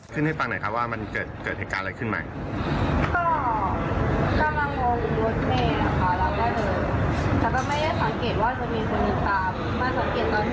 จริงเขาก็ยังเข้ามาใกล้ตามแล้วก็เลยอยู่นี่อยู่ตรงนั้น